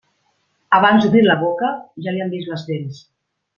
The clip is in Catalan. Abans d'obrir la boca, ja li han vist les dents.